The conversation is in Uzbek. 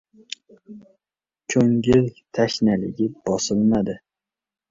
Ko‘ngil tashnaligi bosilmadi.